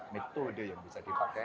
metode yang bisa dipakai